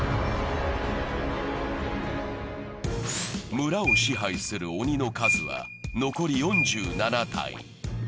村を支配する鬼の数は残り４７体。